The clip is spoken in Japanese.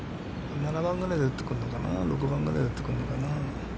７番ぐらいで打ってくるのかな、６番ぐらいで打ってくるのかな。